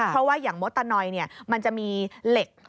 เพราะว่าอย่างมดตะนอยมันจะมีเหล็ก